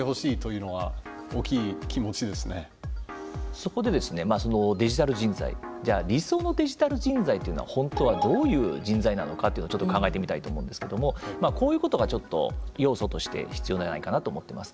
そこでですね、デジタル人材理想のデジタル人材というのは本当は、どういう人材なのかというのを考えてみたいと思うんですけれどもこういうことが、要素として必要ではないかなと思ってます。